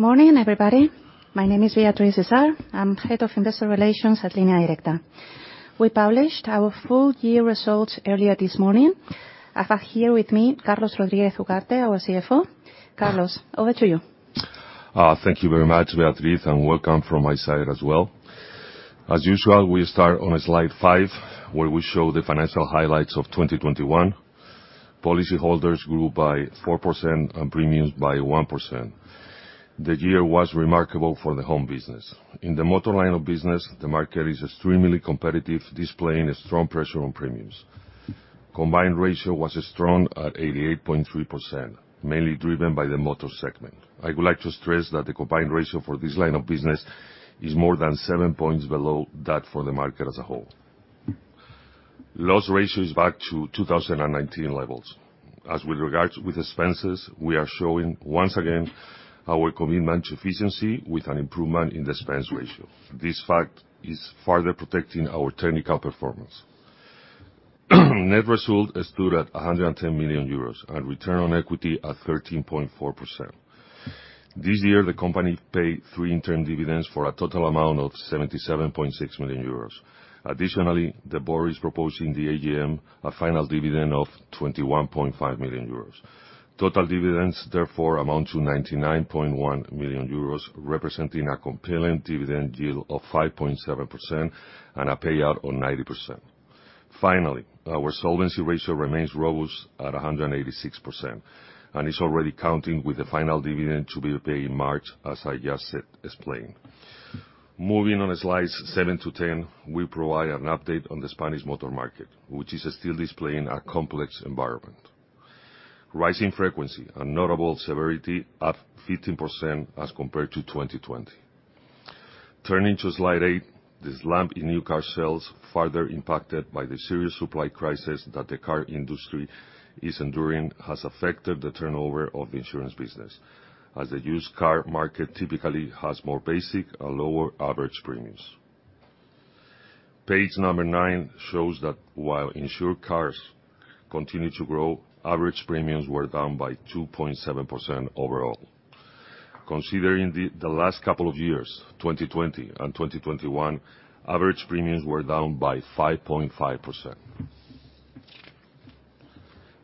Morning, everybody. My name is Beatriz Izard. I'm Head of Investor Relations at Línea Directa. We published our full-year results earlier this morning. I have here with me Carlos Rodríguez Ugarte, our CFO. Carlos, over to you. Thank you very much, Beatriz, and welcome from my side as well. As usual, we start on slide five, where we show the financial highlights of 2021. Policy holders grew by 4% and premiums by 1%. The year was remarkable for the home business. In the motor line of business, the market is extremely competitive, displaying a strong pressure on premiums. Combined ratio was strong at 88.3%, mainly driven by the motor segment. I would like to stress that the combined ratio for this line of business is more than seven points below that for the market as a whole. Loss ratio is back to 2019 levels. As regards expenses, we are showing once again our commitment to efficiency with an improvement in expense ratio. This fact is further protecting our technical performance. Net result stood at 110 million euros and return on equity at 13.4%. This year, the company paid three interim dividends for a total amount of 77.6 million euros. Additionally, the board is proposing to the AGM a final dividend of 21.5 million euros. Total dividends therefore amount to 99.1 million euros, representing a compelling dividend yield of 5.7% and a payout of 90%. Finally, our solvency ratio remains robust at 186% and is already counting with the final dividend to be paid in March, as I just explained. Moving on slides seven to 10, we provide an update on the Spanish motor market, which is still displaying a complex environment. Rising frequency and notable severity up 15% as compared to 2020. Turning to slide eight, this slump in new car sales, further impacted by the serious supply crisis that the car industry is enduring, has affected the turnover of the insurance business, as the used car market typically has more basic and lower average premiums. Page nine shows that while insured cars continued to grow, average premiums were down by 2.7% overall. Considering the last couple of years, 2020 and 2021, average premiums were down by 5.5%.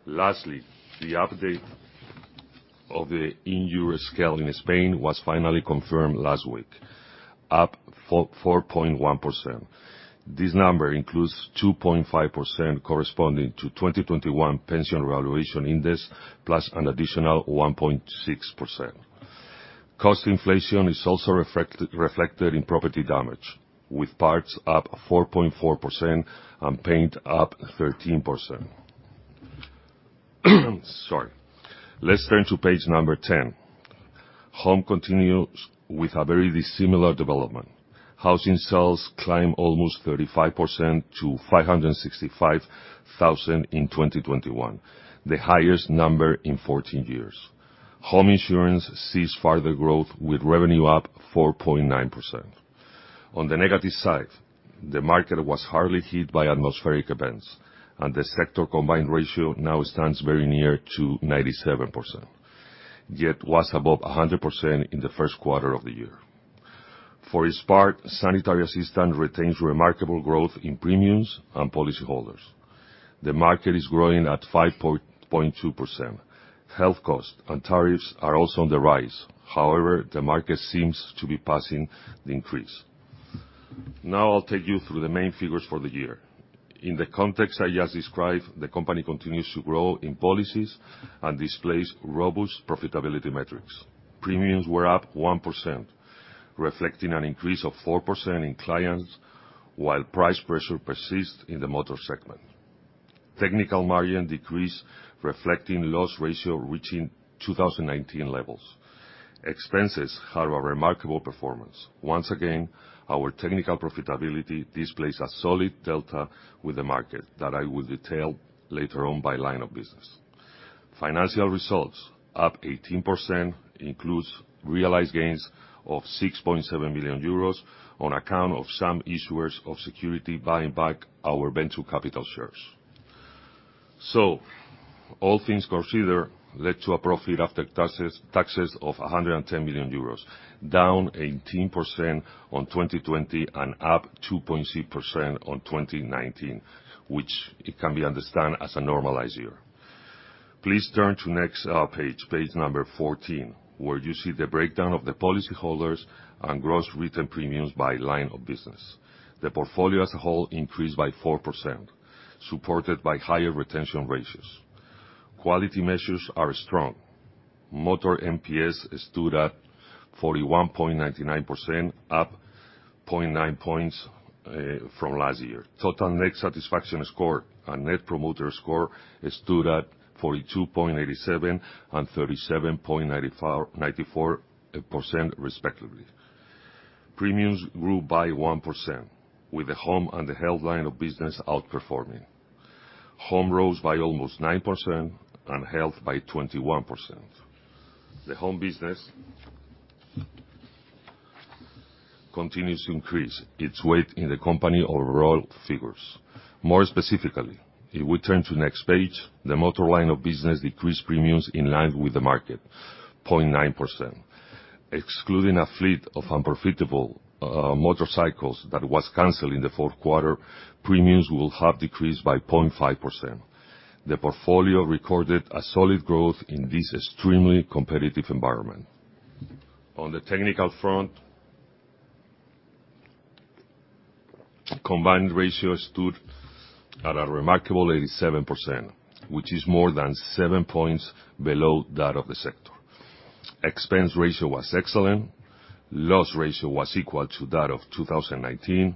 Lastly, the update of the injury scale in Spain was finally confirmed last week, up 4.1%. This number includes 2.5% corresponding to 2021 pension revaluation index, plus an additional 1.6%. Cost inflation is also reflected in property damage, with parts up 4.4% and paint up 13%. Sorry. Let's turn to page 10. Home continues with a very dissimilar development. Housing sales climb almost 35% to 565,000 in 2021, the highest number in 14 years. Home insurance sees further growth with revenue up 4.9%. On the negative side, the market was hard hit by atmospheric events, and the sector combined ratio now stands very near to 97%, yet was above 100% in the first quarter of the year. For its part, sanitary assistance retains remarkable growth in premiums and policyholders. The market is growing at 5.2%. Health costs and tariffs are also on the rise. However, the market seems to be passing the increase. Now I'll take you through the main figures for the year. In the context I just described, the company continues to grow in policies and displays robust profitability metrics. Premiums were up 1%, reflecting an increase of 4% in clients, while price pressure persists in the motor segment. Technical margin decreased, reflecting loss ratio reaching 2019 levels. Expenses had a remarkable performance. Once again, our technical profitability displays a solid delta with the market that I will detail later on by line of business. Financial results, up 18%, includes realized gains of 6.7 million euros on account of some issuers of security buying back our venture capital shares. All things considered led to a profit after taxes of 110 million euros, down 18% on 2020 and up 2.6% on 2019, which it can be understood as a normalized year. Please turn to next page number 14, where you see the breakdown of the policyholders and gross written premiums by line of business. The portfolio as a whole increased by 4%, supported by higher retention ratios. Quality measures are strong. Motor NPS stood at 41.99%, up 0.9 points from last year. Total net satisfaction score and net promoter score stood at 42.87% and 37.94%, respectively. Premiums grew by 1%, with the home and the health line of business outperforming. Home rose by almost 9% and health by 21%. The home business continues to increase its weight in the company overall figures. More specifically, if we turn to next page, the motor line of business decreased premiums in line with the market, 0.9%. Excluding a fleet of unprofitable motorcycles that was canceled in the fourth quarter, premiums will have decreased by 0.5%. The portfolio recorded a solid growth in this extremely competitive environment. On the technical front, combined ratio stood at a remarkable 87%, which is more than seven points below that of the sector. Expense ratio was excellent. Loss ratio was equal to that of 2019.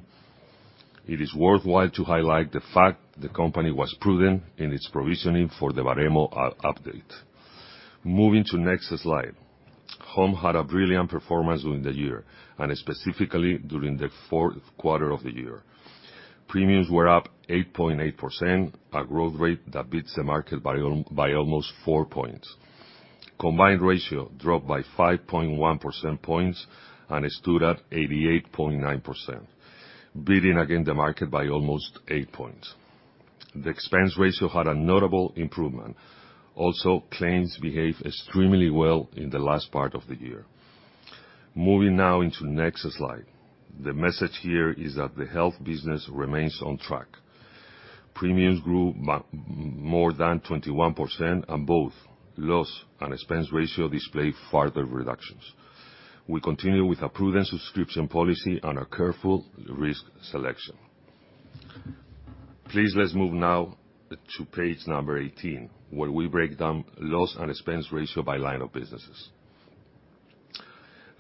It is worthwhile to highlight the fact the company was prudent in its provisioning for the Baremo update. Moving to next slide. Home had a brilliant performance during the year and specifically during the fourth quarter of the year. Premiums were up 8.8%, a growth rate that beats the market by almost four points. Combined ratio dropped by 5.1 percentage points and it stood at 88.9%, beating again the market by almost eight points. The expense ratio had a notable improvement. Also, claims behave extremely well in the last part of the year. Moving now to the next slide. The message here is that the health business remains on track. Premiums grew by more than 21%, and both loss and expense ratio display further reductions. We continue with a prudent underwriting policy and a careful risk selection. Please, let's move now to page 18, where we break down loss and expense ratio by lines of business.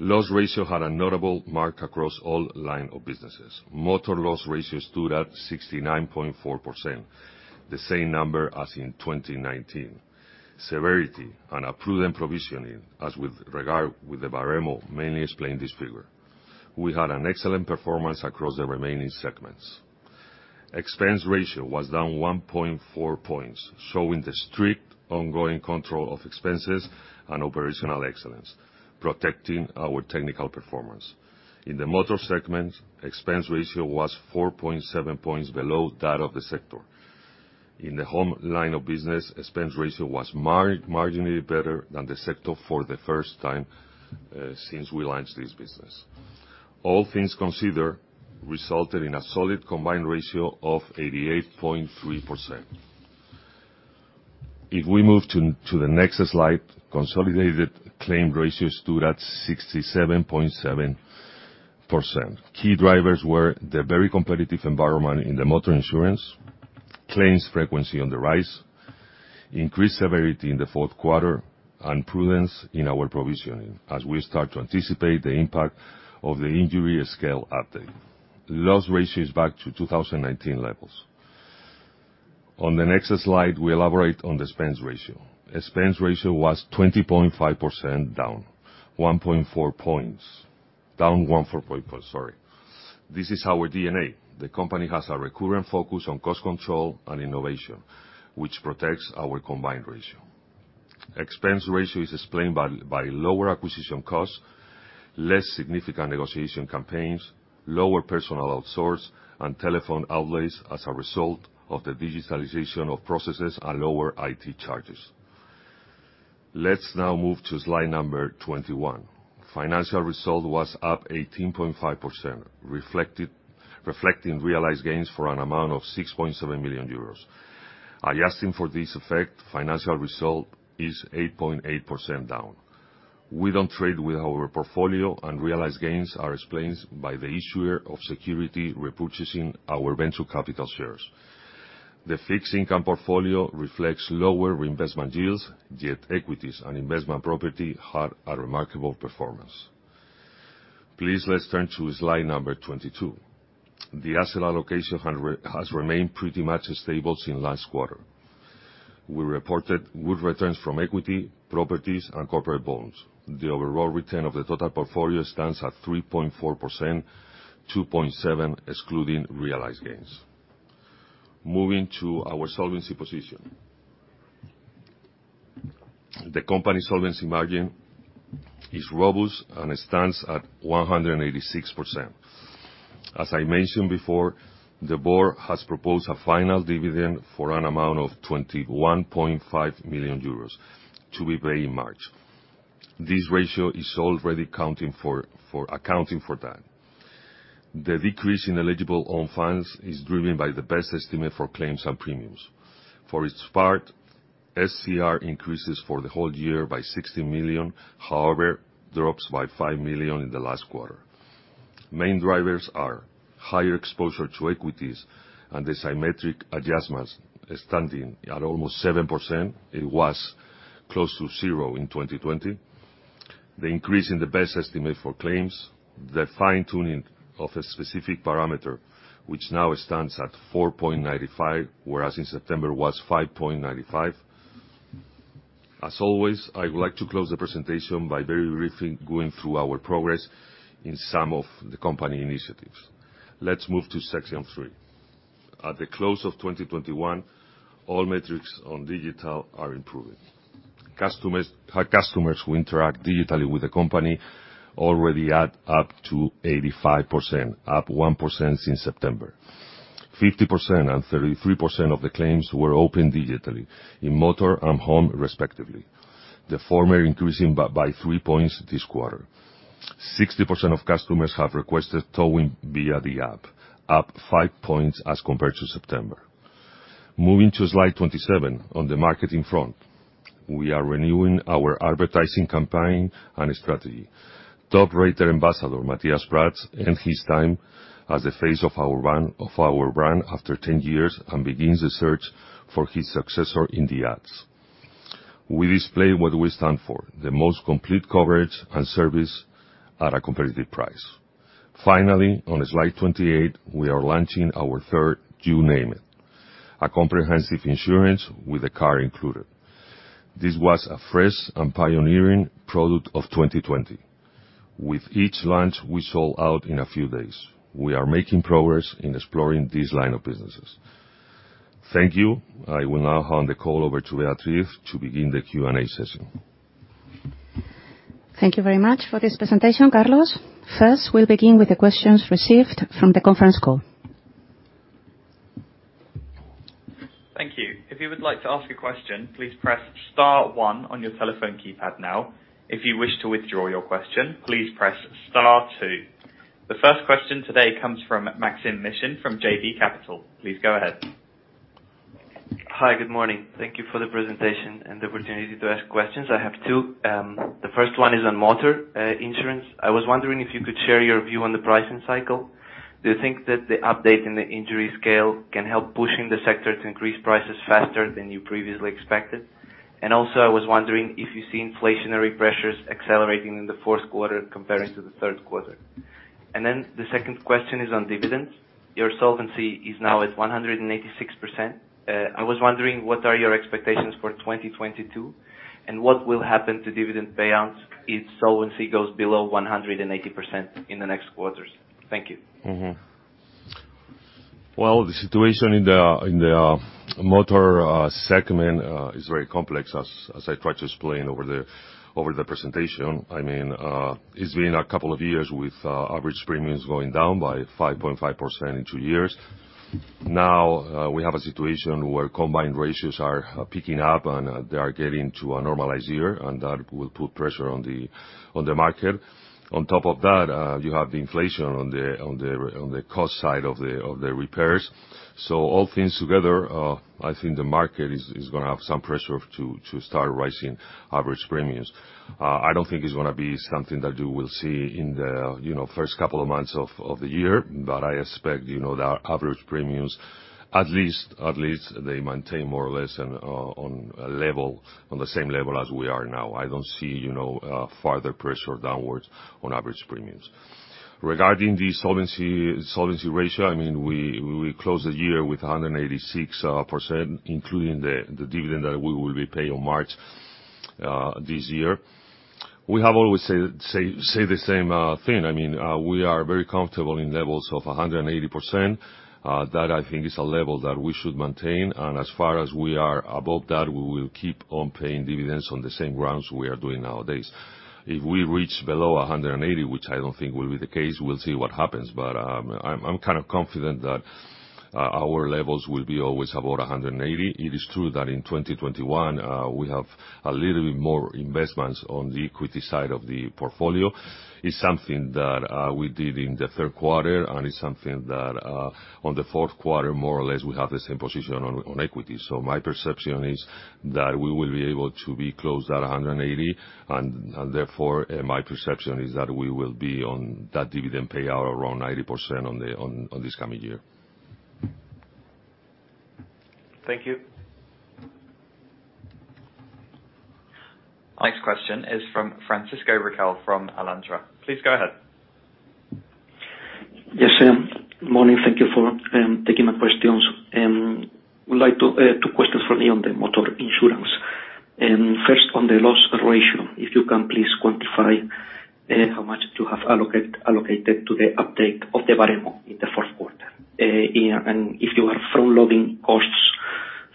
Loss ratio had a notable improvement across all lines of business. Motor loss ratio stood at 69.4%, the same number as in 2019. Severity and a prudent provisioning, with regard to the Baremo, mainly explain this figure. We had an excellent performance across the remaining segments. Expense ratio was down 1.4 points, showing the strict ongoing control of expenses and operational excellence, protecting our technical performance. In the motor segment, expense ratio was 4.7 points below that of the sector. In the home line of business, expense ratio was marginally better than the sector for the first time since we launched this business. All things considered, it resulted in a solid combined ratio of 88.3%. If we move to the next slide, consolidated claim ratio stood at 67.7%. Key drivers were the very competitive environment in the motor insurance, claims frequency on the rise, increased severity in the fourth quarter, and prudence in our provisioning as we start to anticipate the impact of the injury scale update. Loss ratio is back to 2019 levels. On the next slide, we elaborate on the expense ratio. Expense ratio was 20.5% down 1.4 points. This is our DNA. The company has a recurrent focus on cost control and innovation, which protects our combined ratio. Expense ratio is explained by lower acquisition costs, less significant negotiation campaigns, lower personnel outsourcing and telephone outlays as a result of the digitalization of processes and lower IT charges. Let's now move to slide number 21. Financial result was up 18.5%, reflecting realized gains for an amount of 6.7 million euros. Adjusting for this effect, financial result is 8.8% down. We don't trade with our portfolio, and realized gains are explained by the issuer of security repurchasing our perpetual capital shares. The fixed income portfolio reflects lower reinvestment yields, yet equities and investment property had a remarkable performance. Please, let's turn to slide number 22. The asset allocation has remained pretty much stable since last quarter. We reported good returns from equity, properties, and corporate bonds. The overall return of the total portfolio stands at 3.4%, 2.7% excluding realized gains. Moving to our solvency position. The company solvency margin is robust and it stands at 186%. As I mentioned before, the board has proposed a final dividend for an amount of 21.5 million euros to be paid in March. This ratio is already accounting for that. The decrease in eligible own funds is driven by the best estimate for claims and premiums. For its part, SCR increases for the whole year by 60 million, however, drops by 5 million in the last quarter. Main drivers are higher exposure to equities and the symmetric adjustments standing at almost 7%. It was close to zero in 2020. The increase in the best estimate for claims, the fine-tuning of a specific parameter, which now stands at 4.95%, whereas in September was 5.95%. As always, I would like to close the presentation by very briefly going through our progress in some of the company initiatives. Let's move to section three. At the close of 2021, all metrics on digital are improving. Customers who interact digitally with the company already add up to 85%, up 1% since September. 50% and 33% of the claims were opened digitally in motor and home respectively. The former increasing by three points this quarter. 60% of customers have requested towing via the app, up five points as compared to September. Moving to slide 27, on the marketing front. We are renewing our advertising campaign and strategy. Top-rated ambassador Matías Prats ends his time as the face of our brand after 10 years and begins a search for his successor in the ads. We display what we stand for, the most complete coverage and service at a competitive price. Finally, on slide 28, we are launching our third Tú lo Nombras, a comprehensive insurance with a car included. This was a fresh and pioneering product of 2020. With each launch, we sold out in a few days. We are making progress in exploring these line of businesses. Thank you. I will now hand the call over to Beatriz to begin the Q&A session. Thank you very much for this presentation, Carlos. First, we'll begin with the questions received from the conference call. Thank you. If you would like to ask a question, please press star one on your telephone keypad now. If you wish to withdraw your question, please press star two. The first question today comes from Maksym Mishyn from JB Capital. Please go ahead. Hi, good morning. Thank you for the presentation and the opportunity to ask questions. I have two. The first one is on motor insurance. I was wondering if you could share your view on the pricing cycle. Do you think that the update in the injury scale can help pushing the sector to increase prices faster than you previously expected? I was wondering if you see inflationary pressures accelerating in the fourth quarter compared to the third quarter. The second question is on dividends. Your solvency is now at 186%. I was wondering, what are your expectations for 2022, and what will happen to dividend payouts if solvency goes below 180% in the next quarters? Thank you. Well, the situation in the motor segment is very complex as I tried to explain over the presentation. I mean, it's been a couple of years with average premiums going down by 5.5% in two years. Now, we have a situation where combined ratios are picking up, and they are getting to a normalized year, and that will put pressure on the market. On top of that, you have the inflation on the cost side of the repairs. All things together, I think the market is gonna have some pressure to start raising average premiums. I don't think it's gonna be something that you will see in the, you know, first couple of months of the year. I expect, you know, the average premiums at least they maintain more or less on a level, on the same level as we are now. I don't see, you know, further pressure downwards on average premiums. Regarding the solvency ratio, I mean, we closed the year with 186%, including the dividend that we will pay on March this year. We have always say the same thing. I mean, we are very comfortable in levels of 180%. That I think is a level that we should maintain. As far as we are above that, we will keep on paying dividends on the same grounds we are doing nowadays. If we reach below 180%, which I don't think will be the case, we'll see what happens. I'm kind of confident that our levels will always be above 180%. It is true that in 2021, we have a little bit more investments on the equity side of the portfolio. It's something that we did in the third quarter, and it's something that in the fourth quarter, more or less, we have the same position in equity. My perception is that we will be able to be close to 180% and therefore, my perception is that we will be on that dividend payout around 90% in this coming year. Thank you. Next question is from Francisco Riquel from Alantra. Please go ahead. Yes, sir. Morning, thank you for taking my questions. I would like to ask two questions from me on the motor insurance. First on the loss ratio, if you can please quantify how much you have allocated to the update of the Baremo in the fourth quarter. And if you are front-loading costs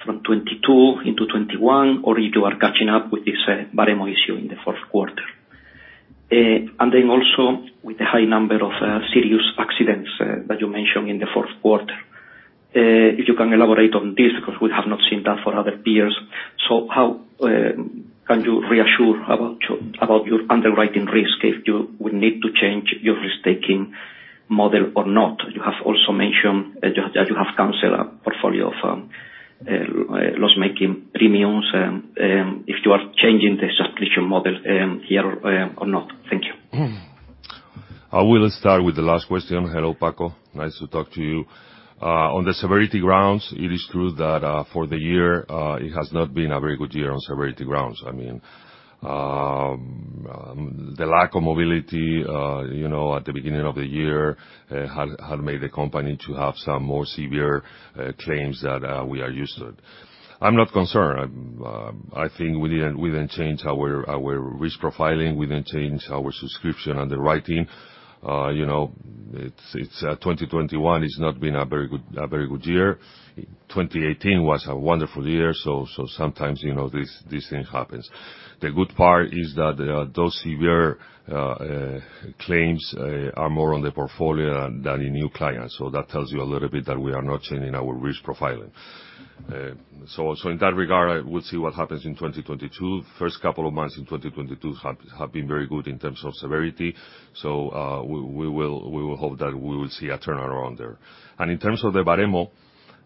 from 2022 into 2021, or if you are catching up with this Baremo issue in the fourth quarter. And then also with the high number of serious accidents that you mentioned in the fourth quarter, if you can elaborate on this because we have not seen that for other peers. How can you reassure about your underwriting risk if you would need to change your risk-taking model or not? You have also mentioned that you have canceled a portfolio of loss-making premiums if you are changing the subscription model here or not? Thank you. I will start with the last question. Hello, Paco. Nice to talk to you. On the severity grounds, it is true that for the year it has not been a very good year on severity grounds. I mean, the lack of mobility, you know, at the beginning of the year had made the company to have some more severe claims that we are used to. I'm not concerned. I think we didn't change our risk profiling. We didn't change our subscription underwriting. You know, it's 2021 has not been a very good year. 2018 was a wonderful year, so sometimes, you know, these things happens. The good part is that those severe claims are more on the portfolio than in new clients. That tells you a little bit that we are not changing our risk profiling. In that regard, we'll see what happens in 2022. First couple of months in 2022 have been very good in terms of severity. We will hope that we will see a turnaround there. In terms of the Baremo,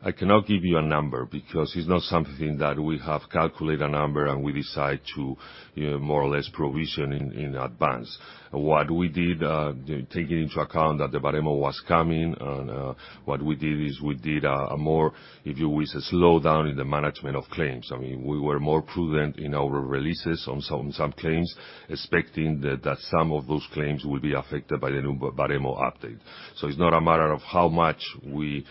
I cannot give you a number because it's not something that we have calculated a number and we decide to, you know, more or less provision in advance. What we did, taking into account that the Baremo was coming and what we did is we did a more, if you will, slow down in the management of claims. I mean, we were more prudent in our releases on some claims, expecting that some of those claims will be affected by the new Baremo update. It's not a matter of how much we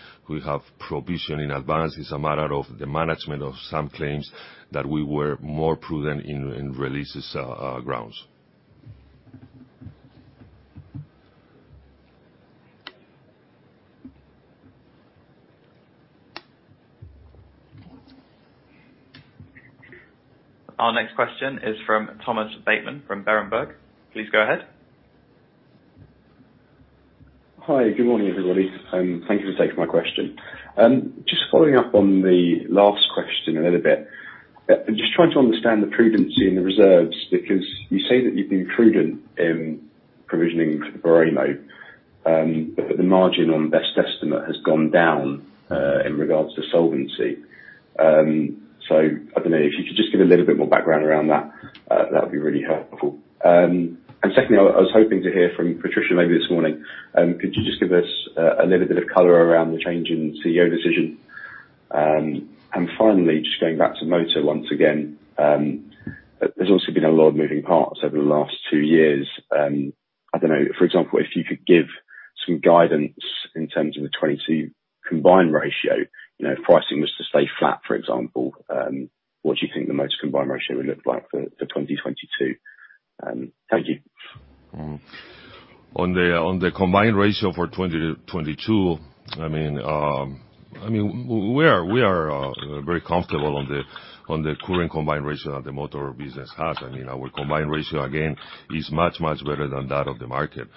have provision in advance. It's a matter of the management of some claims that we were more prudent in releases, grounds. Our next question is from Thomas Bateman from Berenberg. Please go ahead. Hi. Good morning, everybody, and thank you for taking my question. Just following up on the last question a little bit. Just trying to understand the prudency in the reserves, because you say that you've been prudent in provisioning for Baremo, but the margin on best estimate has gone down, in regards to solvency. I don't know if you could just give a little bit more background around that would be really helpful. Secondly, I was hoping to hear from Patricia maybe this morning. Could you just give us a little bit of color around the change in CEO decision? Finally, just going back to motor once again, there's also been a lot of moving parts over the last two years. I don't know, for example, if you could give some guidance in terms of the 2022 combined ratio. You know, if pricing was to stay flat, for example, what do you think the motor combined ratio would look like for 2022? Thank you. On the combined ratio for 2022, I mean, we are very comfortable on the current combined ratio that the motor business has. I mean, our combined ratio, again, is much better than that of the market,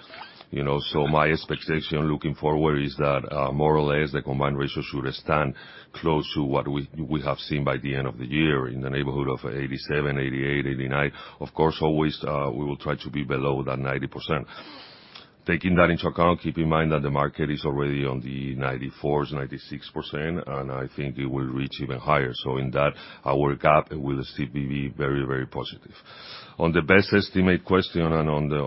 you know. My expectation looking forward is that, more or less the combined ratio should stand close to what we have seen by the end of the year in the neighborhood of 87%-89%. Of course, always, we will try to be below that 90%. Taking that into account, keep in mind that the market is already on the 94%-96%, and I think it will reach even higher. In that, our gap will still be very positive. On the best estimate question and on the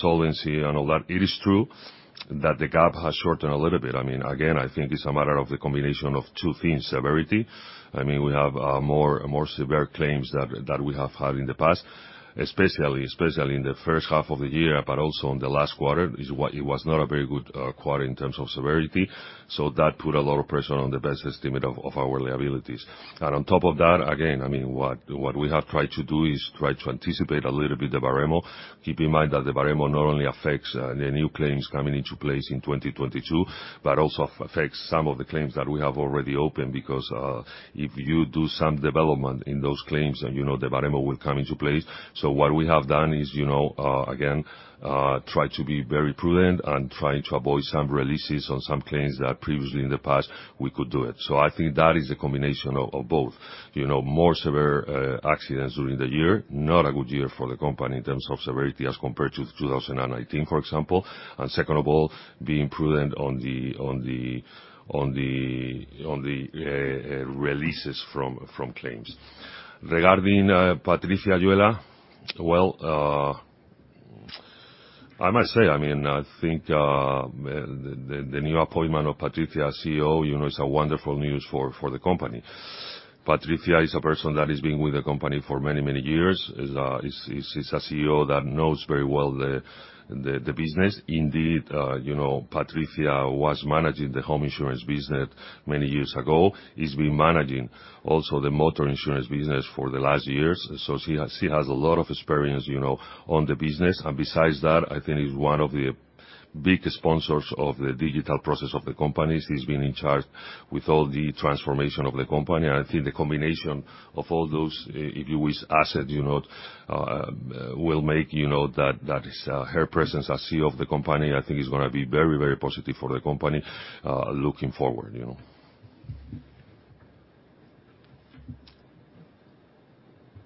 solvency and all that, it is true that the gap has shortened a little bit. I mean, again, I think it's a matter of the combination of two things, severity. I mean, we have more severe claims that we have had in the past, especially in the first half of the year, but also in the last quarter. That's why it was not a very good quarter in terms of severity. So that put a lot of pressure on the best estimate of our liabilities. On top of that, again, I mean, what we have tried to do is try to anticipate a little bit the Baremo. Keep in mind that the Baremo not only affects the new claims coming into place in 2022, but also affects some of the claims that we have already opened, because if you do some development in those claims and you know the Baremo will come into place. What we have done is you know again try to be very prudent and trying to avoid some releases on some claims that previously in the past we could do it. I think that is the combination of both. You know more severe accidents during the year. Not a good year for the company in terms of severity as compared to 2019, for example. Second of all, being prudent on the releases from claims. Regarding Patricia Ayuela, well, I must say, I mean, I think the new appointment of Patricia as CEO, you know, is wonderful news for the company. Patricia is a person that has been with the company for many years. She is a CEO that knows very well the business. Indeed, you know, Patricia was managing the Home insurance business many years ago. She's been managing also the Motor insurance business for the last years. She has a lot of experience, you know, on the business. Besides that, I think she's one of the big sponsors of the digital process of the company. She's been in charge with all the transformation of the company. I think the combination of all those, if you wish, asset, you know, will make you know that her presence as CEO of the company, I think is gonna be very, very positive for the company, looking forward, you know.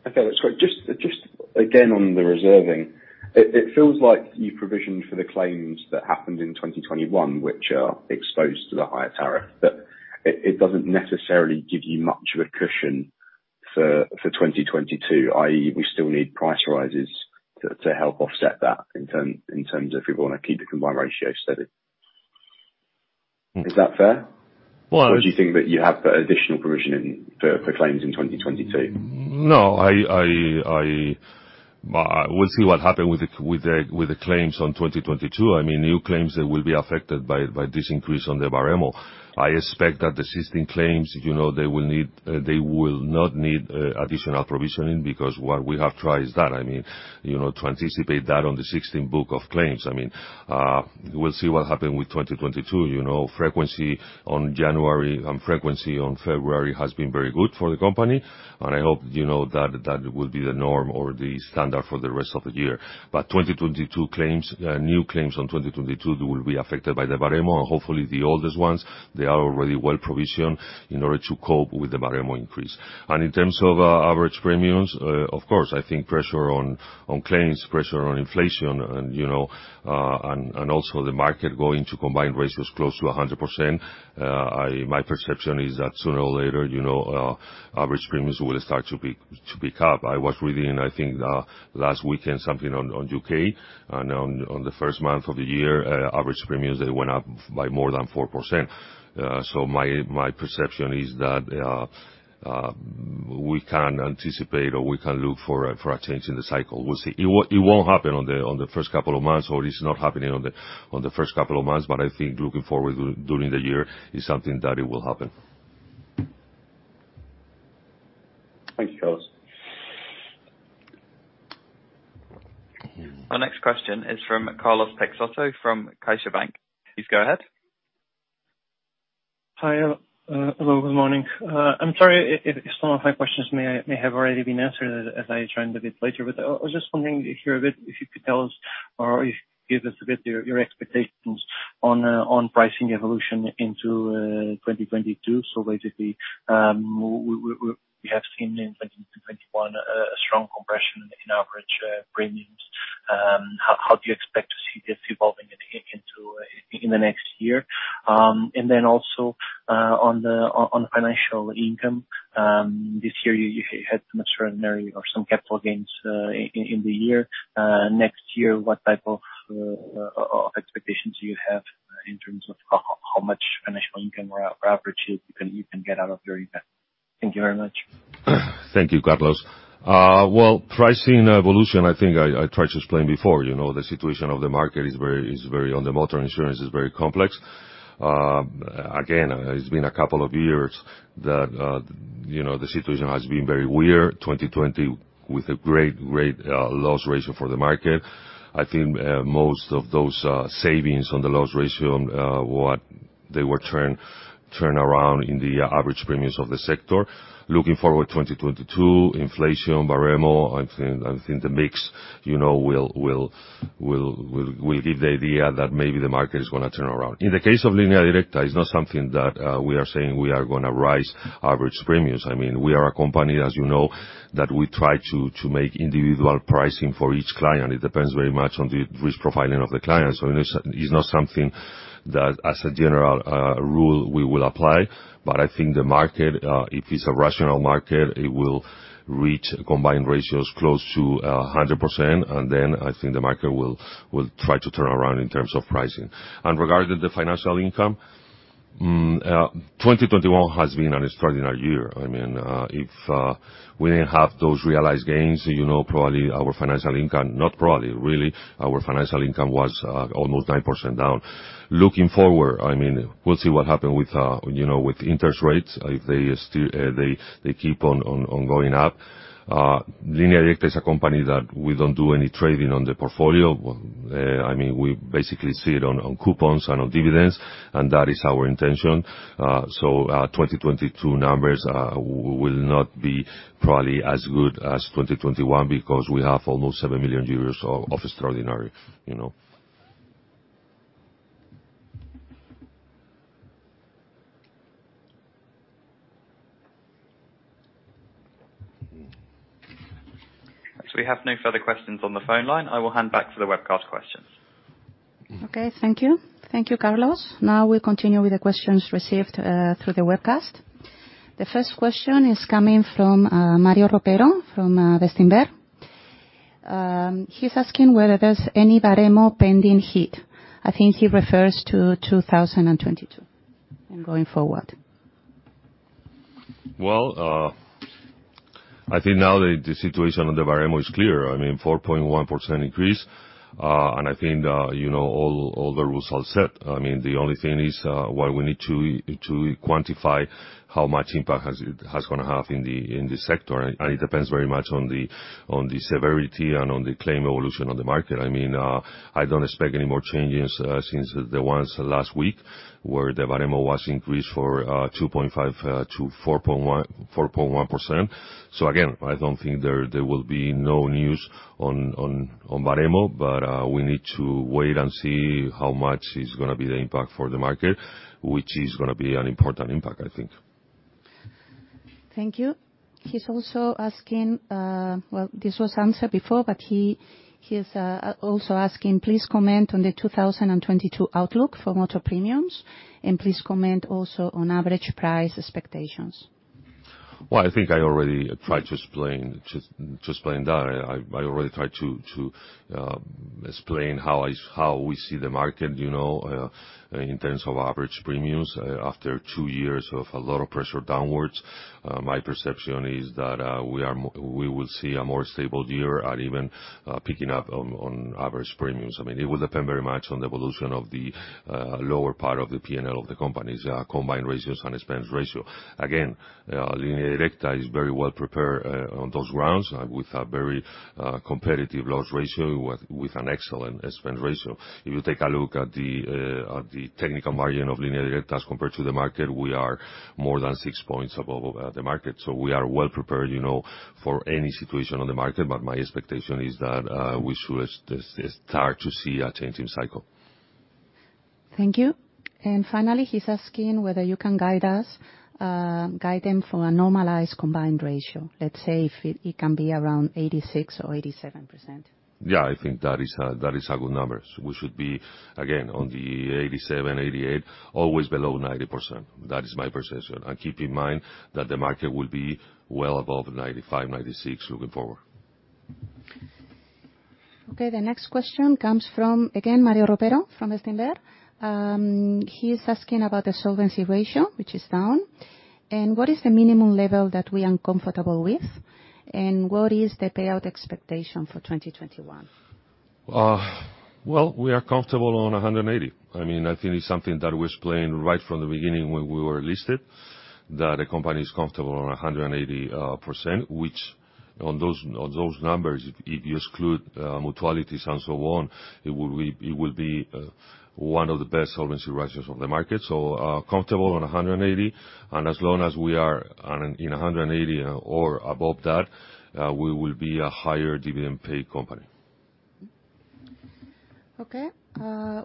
Okay, that's great. Just again, on the reserving, it feels like you've provisioned for the claims that happened in 2021, which are exposed to the higher tariff, but it doesn't necessarily give you much of a cushion for 2022, i.e. we still need price rises to help offset that in terms of if we wanna keep the combined ratio steady. Mm. Is that fair? Well, I was- Do you think that you have additional provision in for claims in 2022? No, but we'll see what happen with the claims on 2022. I mean, new claims, they will be affected by this increase on the Baremo. I expect that the existing claims, you know, they will not need additional provisioning because what we have tried is that. I mean, you know, to anticipate that on the existing book of claims. I mean, we'll see what happen with 2022. You know, frequency on January and frequency on February has been very good for the company. I hope, you know, that will be the norm or the standard for the rest of the year. 2022 claims, new claims on 2022, they will be affected by the Baremo. Hopefully the oldest ones, they are already well provisioned in order to cope with the Baremo increase. In terms of average premiums, of course, I think pressure on claims, pressure on inflation and, you know, also the market going to combined ratios close to 100%, my perception is that sooner or later, you know, average premiums will start to pick up. I was reading, I think, last weekend something on the U.K., and on the first month of the year, average premiums, they went up by more than 4%. My perception is that we can anticipate or we can look for a change in the cycle. We'll see. It won't happen on the first couple of months, but I think looking forward during the year is something that it will happen. Thanks, Carlos. Our next question is from Carlos Peixoto from CaixaBank. Please go ahead. Hi. Hello, good morning. I'm sorry if some of my questions may have already been answered as I joined a bit later. I was just wondering if you could tell us or if give us a bit your expectations on pricing evolution into 2022. Basically, we have seen in 2021 a strong compression in average premiums. How do you expect to see this evolving into in the next year? And then also on financial income, this year you had some extraordinary or some capital gains in the year. Next year, what type of expectations do you have in terms of how much financial income or averages you can get out of your income? Thank you very much. Thank you, Carlos. Pricing evolution, I think I tried to explain before. You know, the situation of the market on the motor insurance is very complex. Again, it's been a couple of years that you know, the situation has been very weird. 2020 with a great loss ratio for the market. I think most of those savings on the loss ratio what they were turned around in the average premiums of the sector. Looking forward to 2022, inflation, Baremo, I think the mix you know will give the idea that maybe the market is gonna turn around. In the case of Línea Directa, it's not something that we are saying we are gonna rise average premiums. I mean, we are a company, as you know, that we try to make individual pricing for each client. It depends very much on the risk profiling of the client. It's not something that as a general rule we will apply. I think the market, if it's a rational market, it will reach combined ratios close to 100%. Then I think the market will try to turn around in terms of pricing. Regarding the financial income, 2021 has been an extraordinary year. I mean, if we didn't have those realized gains, you know, probably our financial income, not probably, really our financial income was almost 9% down. Looking forward, I mean, we'll see what happen with, you know, with interest rates, if they still, they keep on going up. Línea Directa is a company that we don't do any trading on the portfolio. I mean, we basically see it on coupons and on dividends, and that is our intention. 2022 numbers will not be probably as good as 2021 because we have almost 7 million euros of extraordinary, you know. We have no further questions on the phone line. I will hand back to the webcast questions. Okay, thank you. Thank you, Carlos. Now we'll continue with the questions received through the webcast. The first question is coming from Mario Ropero from Bestinver. He's asking whether there's any Baremo pending hit. I think he refers to 2022 and going forward. Well, I think now the situation on the Baremo is clear. I mean, 4.1% increase. I think you know all the rules are set. I mean, the only thing is why we need to quantify how much impact it's gonna have in the sector. It depends very much on the severity and on the claim evolution on the market. I mean, I don't expect any more changes since the ones last week, where the Baremo was increased from 2.5%-4.1%. Again, I don't think there will be no news on Baremo, but we need to wait and see how much is gonna be the impact for the market, which is gonna be an important impact, I think. Thank you. He's also asking, well, this was answered before, but he is also asking, please comment on the 2022 outlook for motor premiums, and please comment also on average price expectations. Well, I think I already tried to explain that. I already tried to explain how we see the market, you know, in terms of average premiums. After two years of a lot of pressure downwards, my perception is that we will see a more stable year and even picking up on average premiums. I mean, it will depend very much on the evolution of the lower part of the P&L of the companies, combined ratios and expense ratio. Again, Línea Directa is very well prepared on those grounds with a very competitive loss ratio with an excellent expense ratio. If you take a look at the technical margin of Línea Directa as compared to the market, we are more than six points above the market. We are well prepared, you know, for any situation on the market. My expectation is that we should start to see a changing cycle. Thank you. Finally, he's asking whether you can guide him for a normalized combined ratio. Let's say if it can be around 86% or 87%. Yeah, I think that is a good number. We should be, again, on the 87%-88%, always below 90%. That is my perception. Keep in mind that the market will be well above 95-96% looking forward. Okay, the next question comes from, again, Mario Ropero from Bestinver. He is asking about the solvency ratio, which is down, and what is the minimum level that we are comfortable with, and what is the payout expectation for 2021? Well, we are comfortable on 180%. I mean, I think it's something that we explained right from the beginning when we were listed, that the company is comfortable on 180%, which on those numbers, if you exclude mutualities and so on, it will be one of the best solvency ratios on the market. Comfortable on 180%. As long as we are on, you know, 180% or above that, we will be a higher dividend pay company. Okay.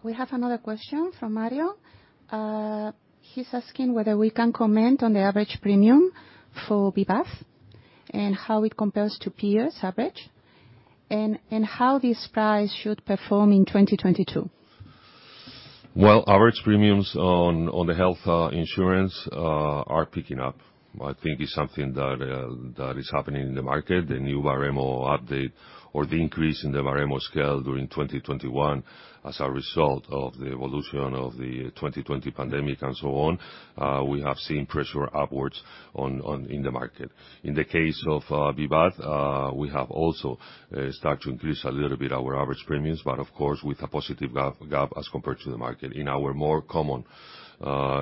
We have another question from Mario. He's asking whether we can comment on the average premium for Vivaz and how it compares to peers' average, and how this price should perform in 2022. Well, average premiums on the health insurance are picking up. I think it's something that is happening in the market. The new Baremo update or the increase in the Baremo scale during 2021 as a result of the evolution of the 2020 pandemic and so on, we have seen pressure upwards in the market. In the case of Vivaz, we have also start to increase a little bit our average premiums, but of course, with a positive gap as compared to the market. In our more common,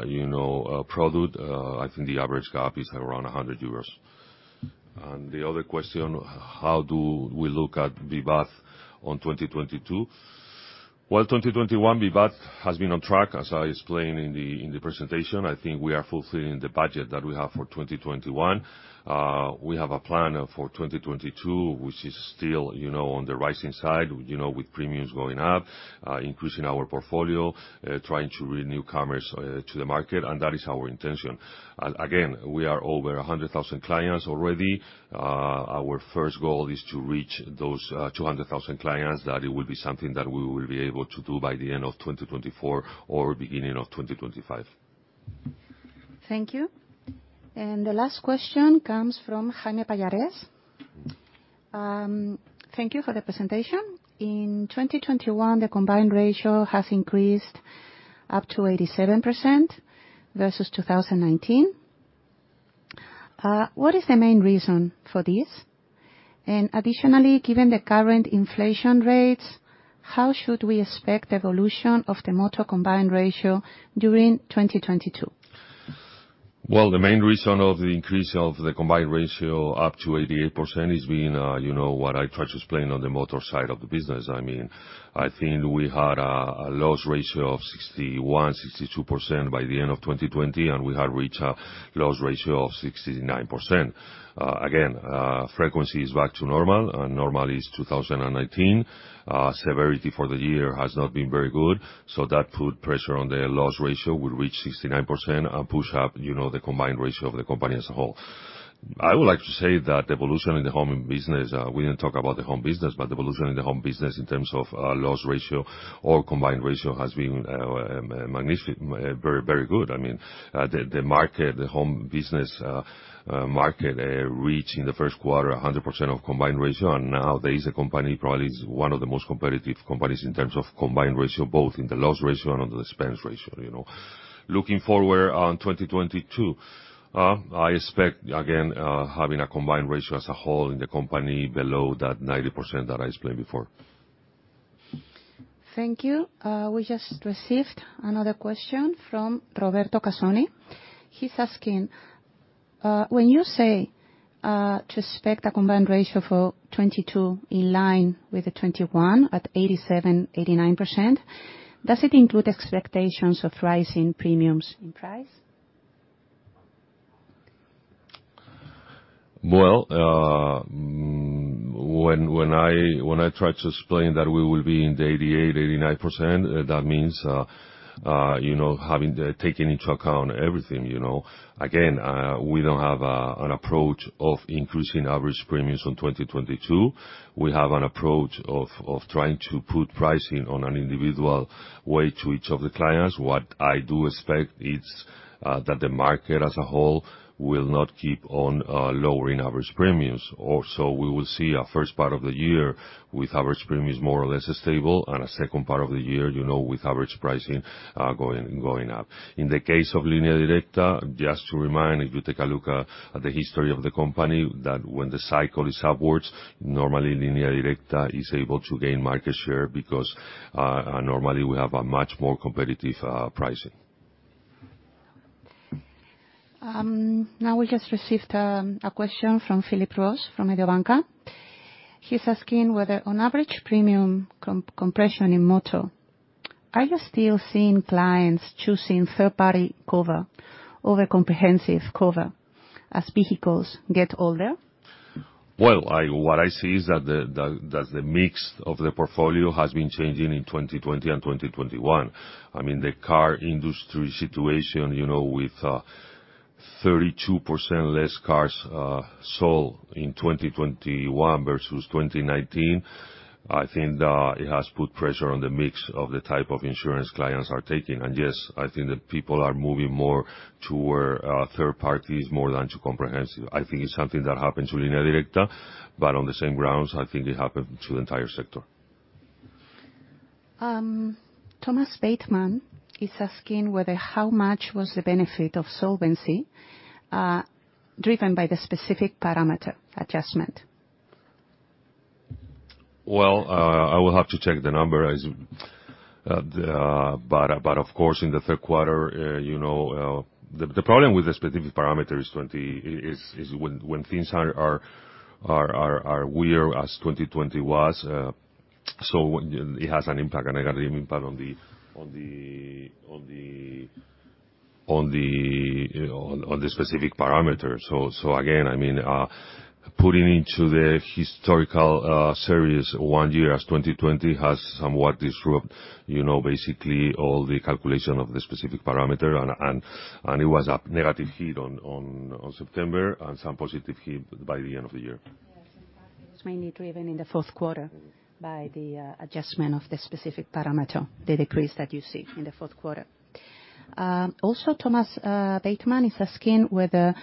you know, product, I think the average gap is around 100 euros. The other question, how do we look at Vivaz on 2022? Well, 2021, Vivaz has been on track, as I explained in the presentation. I think we are fulfilling the budget that we have for 2021. We have a plan for 2022, which is still, you know, on the rising side, you know, with premiums going up, increasing our portfolio, trying to renew commerce to the market, and that is our intention. Again, we are over 100,000 clients already. Our first goal is to reach those 200,000 clients, that it will be something that we will be able to do by the end of 2024 or beginning of 2025. Thank you. The last question comes from Jaime Pallares. Thank you for the presentation. In 2021, the combined ratio has increased up to 87% versus 2019. What is the main reason for this? Additionally, given the current inflation rates, how should we expect evolution of the motor combined ratio during 2022? Well, the main reason of the increase of the combined ratio up to 88% is been, you know, what I tried to explain on the motor side of the business. I mean, I think we had a loss ratio of 61%-62% by the end of 2020, and we had reached a loss ratio of 69%. Again, frequency is back to normal, and normal is 2019. Severity for the year has not been very good, so that put pressure on the loss ratio. We reached 69% and push up, you know, the combined ratio of the company as a whole. I would like to say that evolution in the home business, we didn't talk about the home business, but the evolution in the home business in terms of loss ratio or combined ratio has been very good. I mean, the home business market reached in the first quarter a 100% combined ratio. Now there is a company that probably is one of the most competitive companies in terms of combined ratio, both in the loss ratio and on the expense ratio, you know. Looking forward to 2022, I expect again having a combined ratio as a whole in the company below that 90% that I explained before. Thank you. We just received another question from Roberto Casoni. He's asking, when you say to expect a combined ratio for 2022 in line with the 2021 at 87%-89%, does it include expectations of rise in premiums in price? Well, when I try to explain that we will be in the 88%-89%, that means, you know, having taken into account everything, you know. Again, we don't have an approach of increasing average premiums on 2022. We have an approach of trying to put pricing on an individual way to each of the clients. What I do expect it's that the market as a whole will not keep on lowering average premiums, or so we will see a first part of the year with average premiums more or less stable, and a second part of the year, you know, with average pricing going up. In the case of Línea Directa, just to remind, if you take a look at the history of the company, that when the cycle is upwards, normally Línea Directa is able to gain market share because normally we have a much more competitive pricing. Now we just received a question from Felipe Ruiz from Ibercaja. He's asking whether, on average, premium compression in motor, are you still seeing clients choosing third-party cover over comprehensive cover as vehicles get older? Well, what I see is that the mix of the portfolio has been changing in 2020 and 2021. I mean, the car industry situation, you know, with 32% less cars sold in 2021 versus 2019, I think that it has put pressure on the mix of the type of insurance clients are taking. Yes, I think that people are moving more toward third party more than to comprehensive. I think it's something that happens with Línea Directa, but on the same grounds, I think it happened to the entire sector. Thomas Bateman is asking how much was the benefit of solvency driven by the specific parameter adjustment. I will have to check the number. Of course, in the third quarter, you know, the problem with the specific parameter is when things are weird as 2020 was, so it has an impact and a negative impact on the specific parameters. Again, I mean, putting into the historical series one year as 2020 has somewhat disrupt, you know, basically all the calculation of the specific parameter and it was a negative hit on September and some positive hit by the end of the year. Yes. In fact, it was mainly driven in the fourth quarter by the adjustment of the specific parameter, the decrease that you see in the fourth quarter. Also, Thomas Bateman is asking whether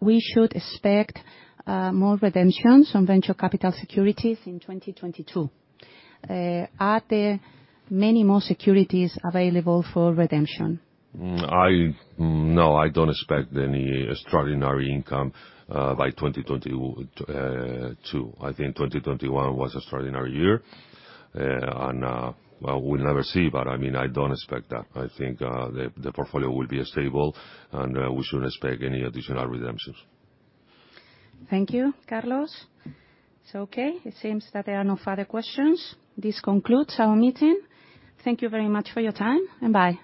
we should expect more redemptions on venture capital securities in 2022. Are there many more securities available for redemption? No, I don't expect any extraordinary income by 2022. I think 2021 was extraordinary year. We'll never see, but I mean, I don't expect that. I think the portfolio will be stable and we shouldn't expect any additional redemptions. Thank you, Carlos. Okay, it seems that there are no further questions. This concludes our meeting. Thank you very much for your time, and bye.